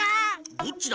どっちだ？